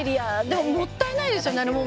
でももったいないですよね